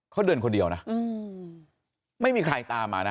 เขาเดินคนเดียวนะไม่มีใครตามมานะ